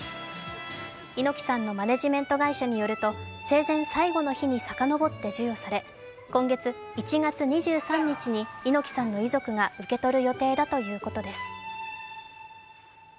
猪木さんのマネジメント会社によると生前最後の日にさかのぼって授与され、今月１月２３日に猪木さんの遺族が受け取る予定だということです。